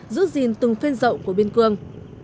giữ gìn từng phên rộng của biên cương